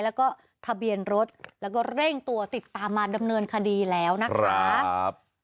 แล้วก็ทะเบียนรถแล้วก็เร่งตัวติดตามมาดำเนินคดีแล้วนะคะ